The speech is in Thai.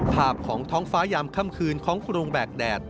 ภาพของท้องฟ้ายามค่ำคืนของกรุงแบกแดด